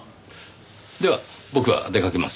では僕は出かけます。